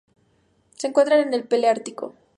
Se encuentra en el paleártico.